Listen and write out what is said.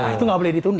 itu gak boleh ditunda